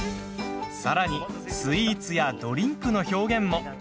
さらに、スイーツやドリンクの表現も。